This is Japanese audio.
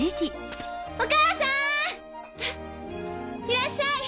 いらっしゃい！